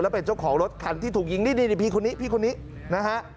เป็นเจ้าของรถคันที่ถูกยิงนี่พี่คนนี้พี่คนนี้นะฮะ